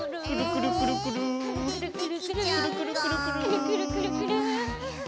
くるくるくるくる！